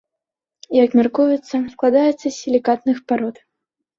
Як мяркуецца, складаецца з сілікатных парод.